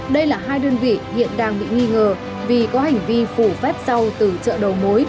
đây là hai đơn vị hiện đang bị nghi ngờ vì có hành vi phủ phép sau từ chợ đầu mối